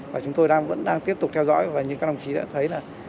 và chúng tôi vẫn đang tiếp tục theo dõi và như các đồng chí đã thấy là